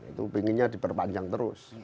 itu pinginnya diperpanjang terus